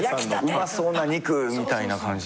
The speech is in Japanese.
うまそうな肉みたいな感じ。